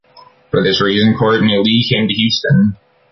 For this reason, Courtney Lee came to Houston.